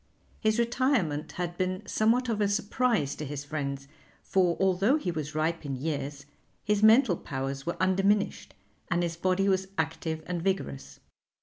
His retirement had been somewhat of a surprise to his friends, for although he was ripe in years, his mental powers were undiminished and his body was active and vigorous.